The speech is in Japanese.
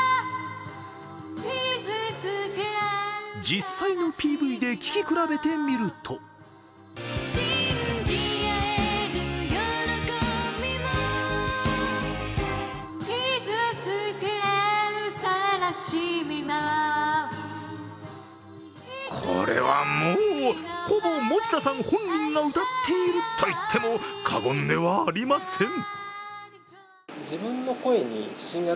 実際のＰＶで聞き比べてみるとこれはもう、ほぼ持田さん本人が歌っているといっても過言ではありません。